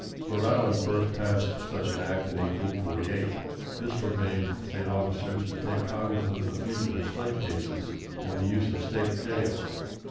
Rhode Island first passed such an act in 1848. This forbade State officers to take cognizance of fugitive slave cases, and the use of State jails.